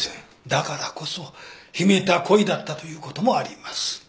だからこそ秘めた恋だったということもあります。